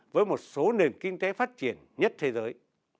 với một số nền kinh tế phát triển nhất thế giới